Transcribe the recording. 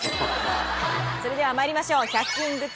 それでは参りましょう。